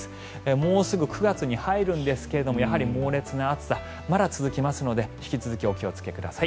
もうすぐ９月に入るんですがやはり猛烈な暑さまだ続きますので引き続きお気をつけください。